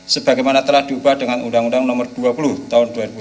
sebagaimana telah diubah dengan undang undang nomor dua puluh tahun dua ribu sembilan